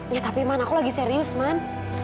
ya tapi man aku lagi serius man